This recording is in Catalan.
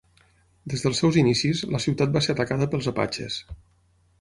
Des dels seus inicis, la ciutat va ser atacada pels Apatxes.